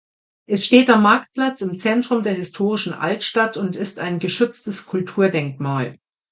Es steht am Marktplatz im Zentrum der historischen Altstadt und ist ein geschütztes Kulturdenkmal.